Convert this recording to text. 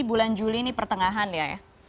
bulan juli ini pertengahan ya